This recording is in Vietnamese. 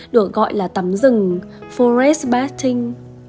được gọi là tắm rừng forest bathing